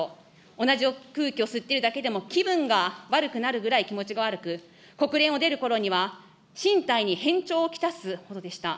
同じ空気を吸ってるだけでも気分が悪くなるぐらい気持ちが悪く、国連を出るころには、身体に変調を来すほどでした。